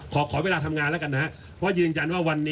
ขอเขาเวลาทำงานละกันนะ